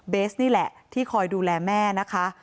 นี่แหละที่คอยดูแลแม่นะคะ